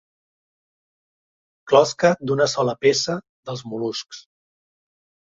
Closca d'una sola peça dels mol·luscos.